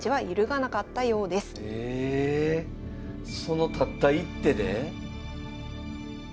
そのたった一手で？